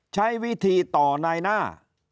ใช้วิธีต่อนายหน้า